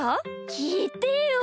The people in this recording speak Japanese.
きいてよ！